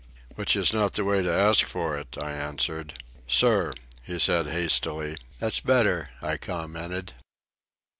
"Which is not the way to ask for it," I answered. "Sir," he added hastily. "That's better," I commented.